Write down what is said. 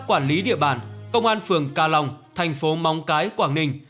các quản lý địa bàn công an phường cà long thành phố móng cái quảng ninh